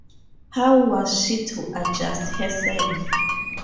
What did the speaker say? How was she to adjust herself?